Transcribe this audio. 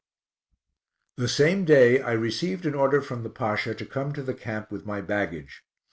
The same day I received an order from the Pasha to come to the camp with my baggage.